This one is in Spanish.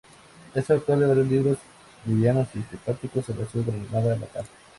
Es autor de varios libros, livianos y simpáticos, sobre su Granada natal.